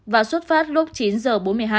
và xuất phát lúc chín giờ bốn mươi hai